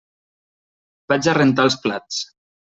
Vaig a rentar els plats.